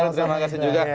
terima kasih juga